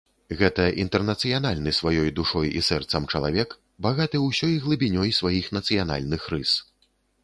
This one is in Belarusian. Гэта інтэрнацыянальны сваёй душой і сэрцам чалавек, багаты ўсёй глыбінёй сваіх нацыянальных рыс.